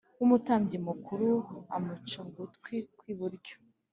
W umutambyi mukuru amuca ugutwi kw iburyo